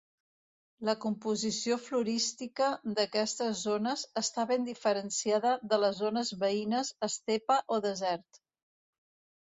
La composició florística d'aquestes zones està ben diferenciada de les zones veïnes estepa o desert.